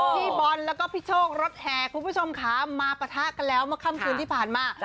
พี่บอลแล้วก็พี่โชครถแห่คุณผู้ชมค่ะมาปะทะกันแล้วเมื่อค่ำคืนที่ผ่านมา